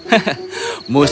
ini sungguh tidak mungkin